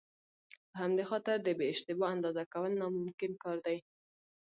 په همدې خاطر د بې اشتباه اندازه کول ناممکن کار دی.